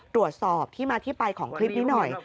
ตรวจสอบที่มาที่ไปของคลิปนี้หน่อย